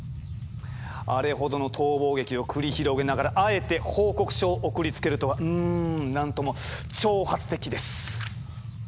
あれほどの逃亡劇を繰り広げながらあえて報告書を送りつけるとはんなんとも挑発的です。